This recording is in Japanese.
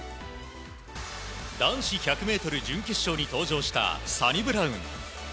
男子１００ｍ準決勝に登場したサニブラウン。